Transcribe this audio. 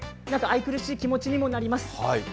なんか愛くるしい気持ちにもなります。